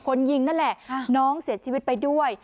คนยิงนั่นแหละน้องเสียชีวิตไปด้วย